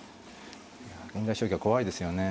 いや現代将棋は怖いですよね。